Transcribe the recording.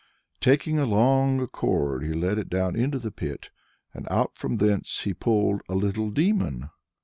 Taking a long cord, he let it down into the pit, and out from thence he pulled a little demon.